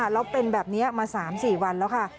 แล้วเป็นแบบนี้มา๓๔วันแล้วค่ะ